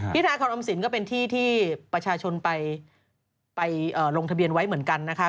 ทาคอรออมสินก็เป็นที่ที่ประชาชนไปลงทะเบียนไว้เหมือนกันนะคะ